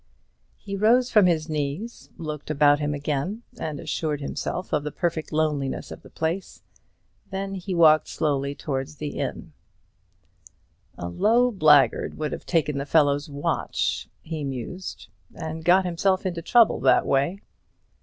He rose from his knees, looked about him again, and assured himself of the perfect loneliness of the place. Then he walked slowly towards the little inn. "A low blackguard would have taken the fellow's watch," he mused, "and got himself into trouble that way.